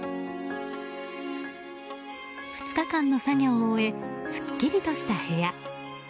２日間の作業を終えすっきりとした部屋。